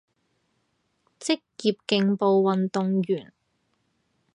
職業競步運動員